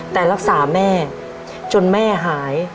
แต่รักษาแม่จนแม่หาย